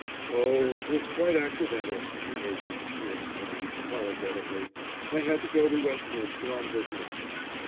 "Oh, it was quite accidental," he hastened to explain, apologetically. "I had to go to Westminster on business."